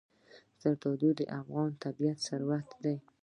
زردالو د افغانستان طبعي ثروت دی.